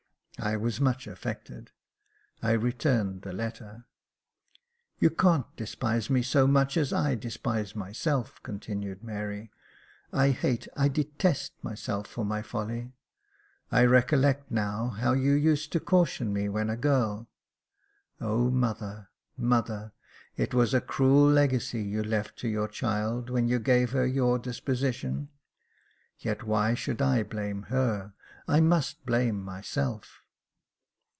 I was much affected. I returned the letter. " You can't despise me so much as I despise myself," continued Mary ;I hate, I detest myself for my folly. I recollect now how you used to caution me when a girl. O mother, mother, it was a cruel legacy you left to your child, when you gave her your disposition. Yet why should I blame her ? I must blame myself."